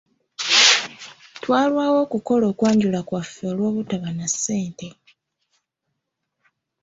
Twalwawo okukola okwanjula kwaffe olw'obutaba na ssente.